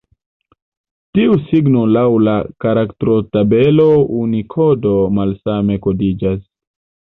Tiu signo laŭ la karaktrotabelo Unikodo malsame kodiĝas.